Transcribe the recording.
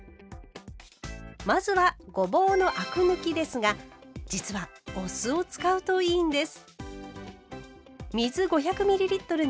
まずはごぼうのアク抜きですが実はお酢を使うといいんです。